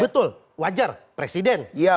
betul wajar presiden